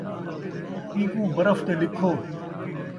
اینکوں برف تے لکھو